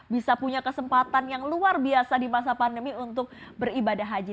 bisa punya kesempatan yang luar biasa di masa pandemi untuk beribadah haji